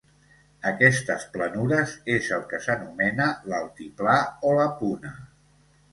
Aquestes planures és el que s'anomena l'Altiplà o la Puna.